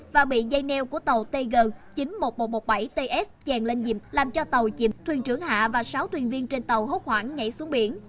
và bị dây neo của tàu tg chín nghìn một trăm một mươi bảy ts chèn lên dìm làm cho tàu chìm thuyền trưởng hạ và sáu thuyền viên trên tàu hốt khoảng nhảy xuống biển